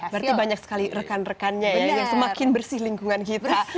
berarti banyak sekali rekan rekannya ini yang semakin bersih lingkungan kita